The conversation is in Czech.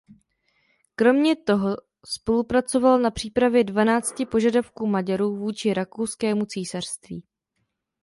Kromě toho spolupracoval na přípravě dvanácti požadavků Maďarů vůči Rakouskému císařství.